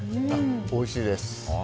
おいしいです。